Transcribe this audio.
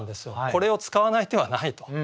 これを使わない手はないと。